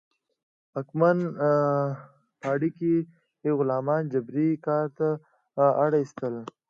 واکمن پاړکي غلامان جبري کار ته اړ اېستل.